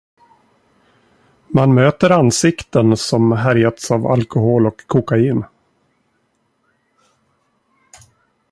Man möter ansikten som härjats av alkohol och kokain.